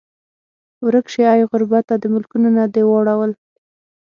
ورک شې ای غربته د ملکونو نه دې واړول